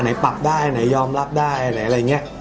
ยอมรับได้อะไรอย่างเงี้ย